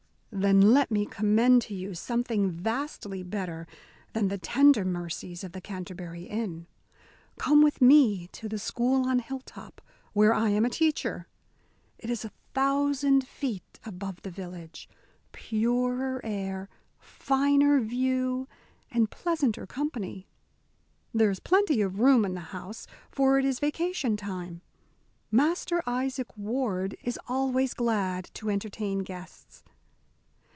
"Then let me commend to you something vastly better than the tender mercies of the Canterbury Inn. Come with me to the school on Hilltop, where I am a teacher. It is a thousand feet above the village purer air, finer view, and pleasanter company. There is plenty of room in the house, for it is vacation time. Master Isaac Ward is always glad to entertain guests."